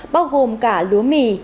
bao gồm cả lúa mì